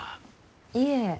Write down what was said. いえ。